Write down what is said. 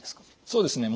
そうですね。